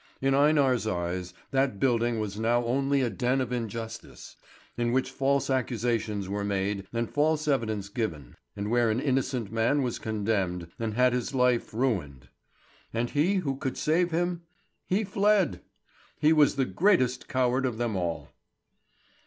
In Einar's eyes, that building was now only a den of injustice, in which false accusations were made and false evidence given, and where an innocent man was condemned, and had his life ruined. And he who could save him? He fled! He was the greatest coward of them all.